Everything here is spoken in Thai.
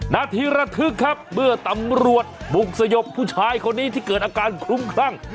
นาทีระทึกครับเมื่อตำรวจบุกสยบผู้ชายคนนี้ที่เกิดอาการคลุ้มคลั่ง